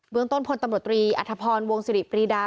เมืองต้นพลตำรวจตรีอัธพรวงศิริปรีดา